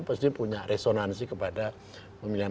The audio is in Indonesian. pasti punya resonansi kepada pemilihan